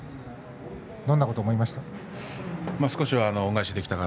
どんなことを思いましたか？